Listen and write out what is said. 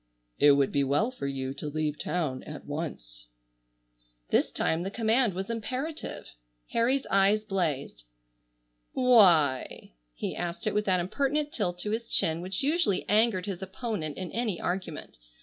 "It would be well for you to leave town at once." This time the command was imperative. Harry's eyes blazed. "Why?" He asked it with that impertinent tilt to his chin which usually angered his opponent in any argument.